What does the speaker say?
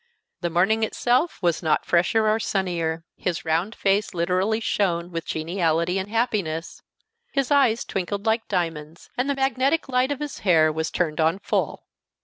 The morning itself was not fresher or sunnier. His round face literally shone with geniality and happiness. His eyes twinkled like diamonds, and the magnetic light of his hair was turned on full.